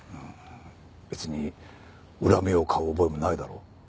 別に恨みを買う覚えもないだろう？